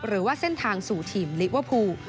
หรือว่าเส้นทางสู่ทีมเลี้ยวภู